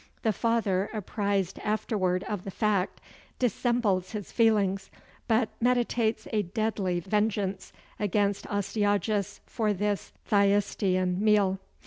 The father, apprised afterward of the fact, dissembles his feelings, but meditates a deadly vengeance against Astyages for this Thyestean meal.